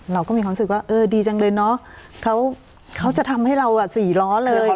เราก็มีความรู้สึกว่าเออดีจังเลยเนอะเขาจะทำให้เรา๔ล้อเลย